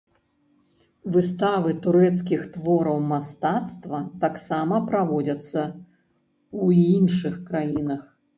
Выставы турэцкіх твораў мастацтва таксама праводзяцца ў іншых краінах.